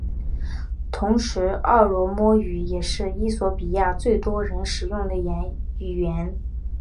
同时奥罗莫语也是衣索比亚最多人使用的语言。